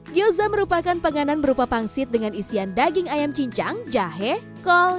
gyoza merupakan penganan berupa pangsit dengan isian daging ayam cincang jahe kol